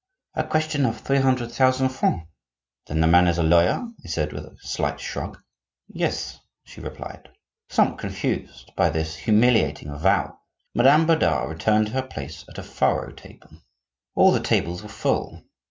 a question of three hundred thousand francs." "Then the man is a lawyer?" I said, with a slight shrug. "Yes," she replied. Somewhat confused by this humiliating avowal, Madame Bodard returned to her place at a faro table. All the tables were full.